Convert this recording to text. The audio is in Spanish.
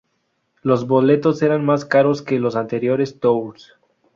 Los boletos eran más caros que los anteriores tours.